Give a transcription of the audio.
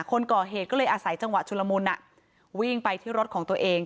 คนก่อเหตุก็เลยอาศัยจังหวะชุลมุนวิ่งไปที่รถของตัวเอง